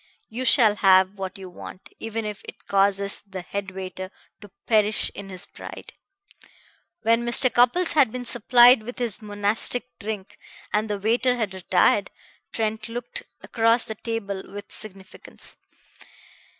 You shall have what you want, even if it causes the head waiter to perish in his pride." When Mr. Cupples had been supplied with his monastic drink, and the waiter had retired, Trent looked across the table with significance.